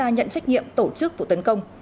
họ đã đứng ra nhận trách nhiệm tổ chức tụ tấn công